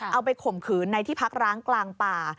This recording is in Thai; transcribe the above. ข่มขืนในที่พักร้างกลางป่า